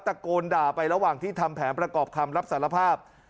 ตะโกนด่าไประหว่างที่ทำแผนประกอบคำรับสารภาพ